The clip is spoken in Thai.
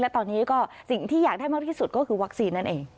และตอนนี้ก็สิ่งที่อยากได้มากที่สุดก็คือวัคซีนนั่นเอง